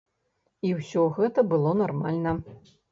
І ўсё гэта было нармальна.